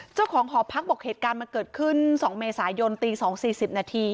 เจ้าของหอพักบอกเหตุการณ์มันเกิดขึ้น๒เมษายนตี๒๔๐นาที